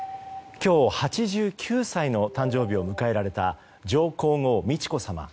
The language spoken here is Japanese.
今日、８９歳の誕生を迎えられた上皇后・美智子さま。